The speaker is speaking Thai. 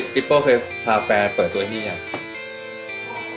โป้เคยพาแฟนเปิดตัวที่นี่ยัง